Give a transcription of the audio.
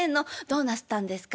どうなすったんですか？